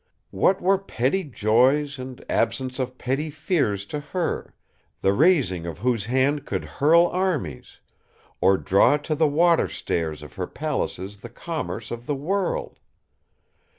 What were petty joys and absence of petty fears to her, the raising of whose hand could hurl armies, or draw to the water stairs of her palaces the commerce of the world!